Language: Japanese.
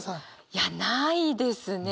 いやないですね。